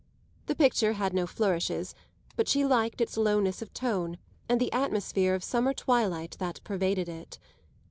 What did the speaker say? The picture had no flourishes, but she liked its lowness of tone and the atmosphere of summer twilight that pervaded it.